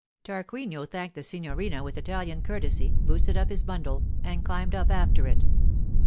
Tarquinio thanked the signorina with Italian courtesy, boosted up his bundle, and climbed up after it.